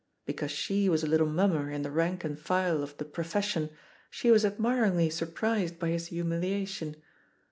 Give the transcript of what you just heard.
Because she was a little mummer in the rank and file of "the pro fession" she was admiringly surprised by his humiliation.